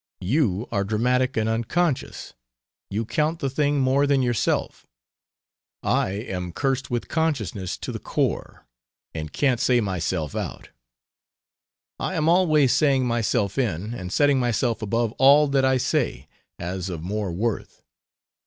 You are dramatic and unconscious; you count the thing more than yourself; I am cursed with consciousness to the core, and can't say myself out; I am always saying myself in, and setting myself above all that I say, as of more worth.